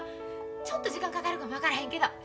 ちょっと時間かかるかも分からへんけど。